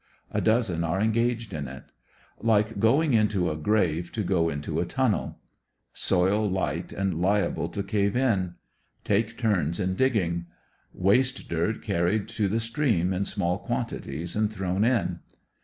A dozen are engaged m it. Like going into a grave to go into a tunnel. Soil light and liable to cave in. Take turns in digging. Waste dirt carried to the stream in small quantities and thrown in.